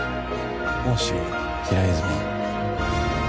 奥州平泉。